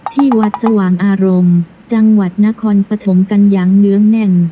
ที่วัดสว่างอารมณ์จังหวัดนครปฐมกันอย่างเนื้องแน่น